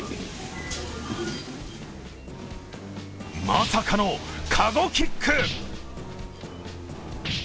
まさかのカゴキック。